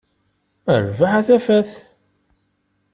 A rrbeḥ, a tafat!